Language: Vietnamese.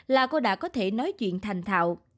là cô đã có thể nói chuyện thành thạo